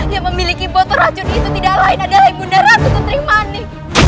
yang memiliki botol racun itu tidak lain adalah ibu naya ketering mani